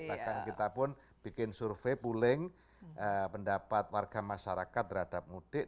bahkan kita pun bikin survei pooling pendapat warga masyarakat terhadap mudik